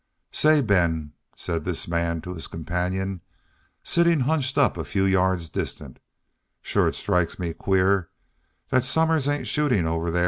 "Say, Ben," said this man to his companion sitting hunched up a few yards distant, "shore it strikes me queer thet Somers ain't shootin' any over thar."